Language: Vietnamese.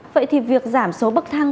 vậy thì việc giảm số bậc thang